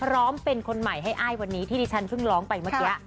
เป็นคนใหม่ให้อ้ายวันนี้ที่ดิฉันเพิ่งร้องไปเมื่อกี้